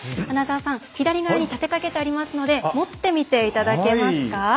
穴澤さん、左側に立てかけてありますので持ってみていただけますか。